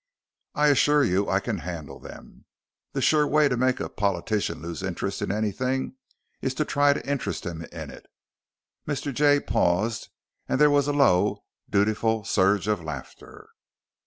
I assure you I can handle them. The sure way to make a politician lose interest in anything is to try to interest him in it." Mr. Jay paused and there was a low, dutiful surge of laughter.